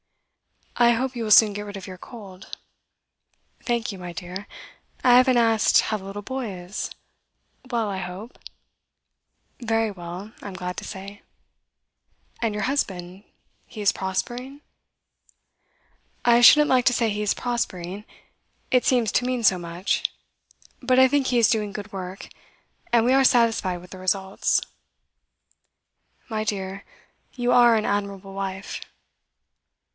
'I hope you will soon get rid of your cold.' 'Thank you, my dear. I haven't asked how the little boy is. Well, I hope?' 'Very well, I am glad to say.' 'And your husband he is prospering?' 'I shouldn't like to say he is prospering; it seems to mean so much; but I think he is doing good work, and we are satisfied with the results.' 'My dear, you are an admirable wife.